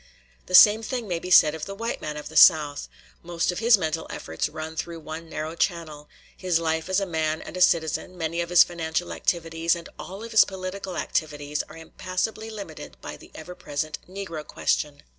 The same thing may be said of the white man of the South; most of his mental efforts run through one narrow channel; his life as a man and a citizen, many of his financial activities, and all of his political activities are impassably limited by the ever present "Negro question."